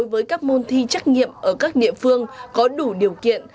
với các môn thi trách nhiệm ở các địa phương có đủ điều kiện